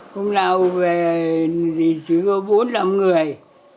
hôm nào về thì chỉ có bốn năm người